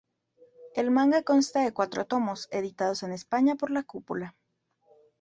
El manga consta de cuatro tomos, editados en España por La Cúpula.